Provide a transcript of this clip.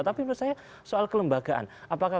tapi menurut saya soal kelembagaan apakah